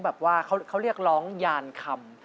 แบบว่าเขาเรียกร้องยานคำ